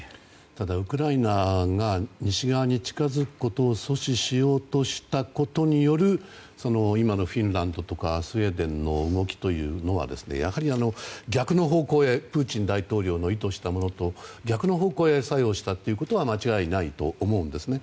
ただ、ウクライナが西側に近づくことを阻止しようとしたことによる今のフィンランドとかスウェーデンの動きというのはやはり、プーチン大統領の意図したものとは逆の方向へ作用したことは間違いないと思うんですね。